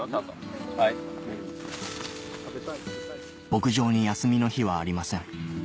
牧場に休みの日はありません